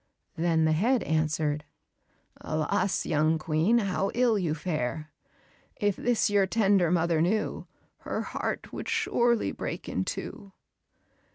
Then the head answered, "Alas, young Queen, how ill you fare! If this your tender mother knew, Her heart would surely break in two."